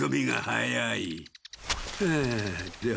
はい！